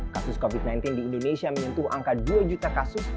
kasus covid sembilan belas di indonesia menyentuh angka dua juta kasus